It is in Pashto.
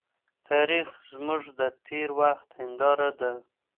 تاريخ زموږ د تېر وخت هنداره ده.